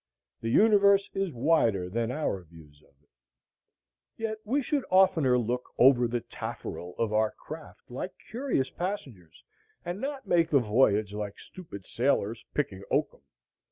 The universe is wider than our views of it. Yet we should oftener look over the tafferel of our craft, like curious passengers, and not make the voyage like stupid sailors picking oakum.